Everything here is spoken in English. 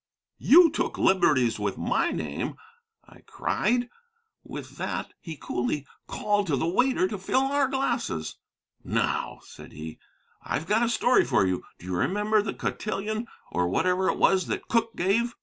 'You took liberties with my name,' I cried. With that he coolly called to the waiter to fill our glasses. 'Now,' said he, 'I've got a story for you. Do you remember the cotillon, or whatever it was, that Cooke gave?